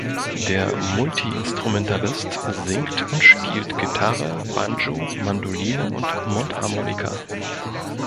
Der Multiinstrumentalist singt und spielt Gitarre, Banjo, Mandoline und Mundharmonika.